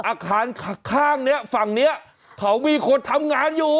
อาคารข้างนี้ฝั่งนี้เขามีคนทำงานอยู่